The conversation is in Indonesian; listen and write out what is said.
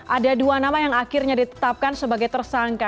ada dua nama yang akhirnya ditetapkan sebagai tersangka